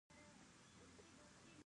د خوست په اسماعیل خیل کې څه شی شته؟